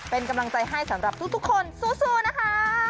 เป็นกำลังใจให้สำหรับทุกคนสู้นะคะ